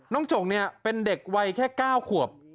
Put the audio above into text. น้องจกนี่เป็นเด็กวัยแค่๙ขวบ